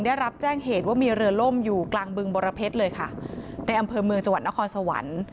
ได้รับแจ้งเหตุว่ามีเรือล่มอยู่กลางบึงบรเพชรเลยค่ะในอำเภอเมืองจังหวัดนครสวรรค์